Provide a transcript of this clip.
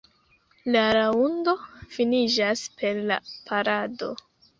La raŭndo finiĝas per la parado.